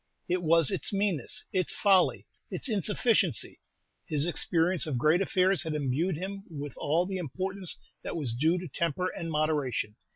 It was its meanness, its folly, its insufficiency. His experience of great affairs had imbued him with all the importance that was due to temper and moderation.